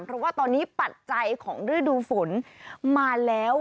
เพราะว่าตอนนี้ปัจจัยของฤดูฝนมาแล้ว